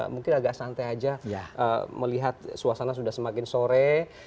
mungkin agak santai saja melihat suasana sudah semakin sore